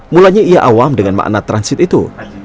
mulanya ia awam dengan makna transit itu